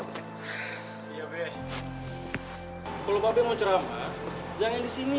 hai kalau babi mau ceramah jangan disini